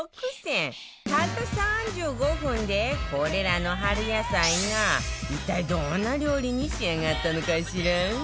たった３５分でこれらの春野菜が一体どんな料理に仕上がったのかしら？